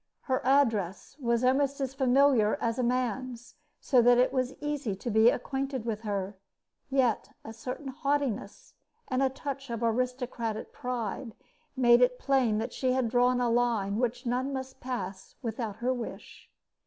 Her address was almost as familiar as a man's, so that it was easy to be acquainted with her; yet a certain haughtiness and a touch of aristocratic pride made it plain that she had drawn a line which none must pass without her wish.